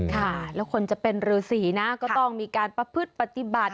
ค่ะแล้วคนจะเป็นรือสีนะก็ต้องมีการประพฤติปฏิบัติ